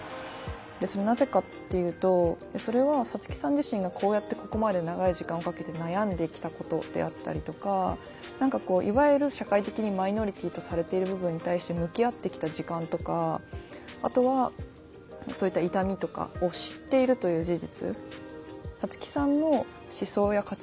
それなぜかっていうとそれはサツキさん自身がこうやってここまで長い時間をかけて悩んできたことであったりとか何かこういわゆる社会的にマイノリティーとされている部分に対して向き合ってきた時間とかあとはそういった痛みとかを知っているという事実。